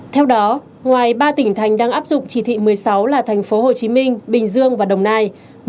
theo đó ngoài ba tỉnh thành đang áp dụng chỉ thị một mươi sáu là thành phố hồ chí minh bình dương và đồng nai